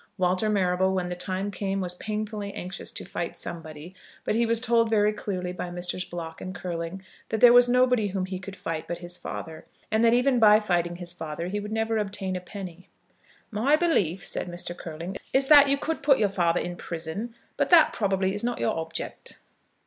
Walter Marrable, when the time came, was painfully anxious to fight somebody; but he was told very clearly by Messrs. Block and Curling, that there was nobody whom he could fight but his father, and that even by fighting his father, he would never obtain a penny. "My belief," said Mr. Curling, "is, that you could put your father in prison, but that probably is not your object."